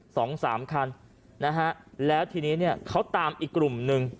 สองสามคันนะฮะแล้วทีนี้เนี่ยเขาตามอีกกลุ่มหนึ่ง